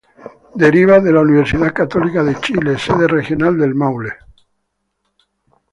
Deriva de la Universidad Católica de Chile, Sede Regional del Maule.